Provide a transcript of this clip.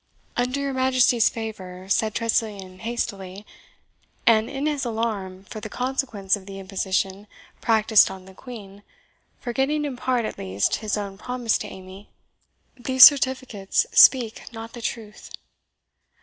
"Under your Majesty's favour," said Tressilian hastily, and in his alarm for the consequence of the imposition practised on the Queen forgetting in part at least his own promise to Amy, "these certificates speak not the truth."